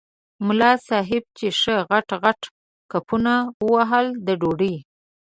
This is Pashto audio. ملا صاحب چې ښه غټ غټ کپونه وهل د ډوډۍ.